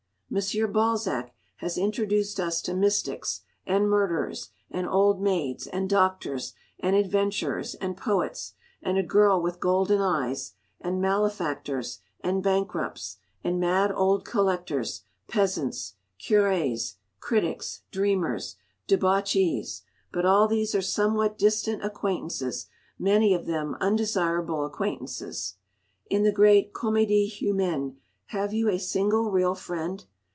M. Balzac has introduced us to mystics, and murderers, and old maids, and doctors, and adventurers, and poets, and a girl with golden eyes, and malefactors, and bankrupts, and mad old collectors, peasants, curés, critics, dreamers, debauchees; but all these are somewhat distant acquaintances, many of them undesirable acquaintances. In the great "Comédie Humaine" have you a single real friend?